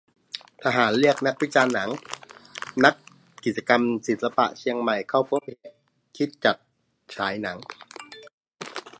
ทหารเรียกนักวิจารณ์หนัง-นักกิจกรรมศิลปะเชียงใหม่เข้าพบเหตุคิดจัดฉายหนัง